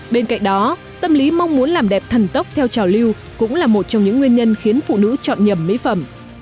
bên cạnh đó tâm lý mong muốn làm đẹp thần tốc theo trào lưu cũng là một trong những nguyên nhân khiến phụ nữ chọn nhầm mỹ phẩm